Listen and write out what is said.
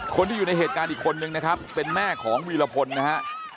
คนที่อยู่ในเหตุการณ์อีกคนนึงนะครับเป็นแม่ของวีรพลนะฮะ